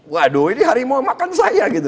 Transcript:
waduh ini harimau makan saya gitu